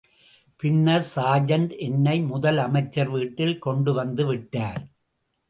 பின்னர் சார்ஜண்ட் என்னை முதல் அமைச்சர் வீட்டில் கொண்டு வந்துவிட்டார்.